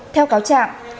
theo cáo trạng